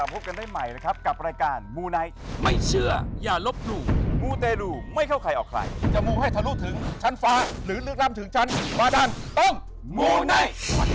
โปรดติดตามตอนต่อไป